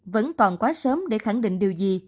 vẫn còn quá sớm để khẳng định điều gì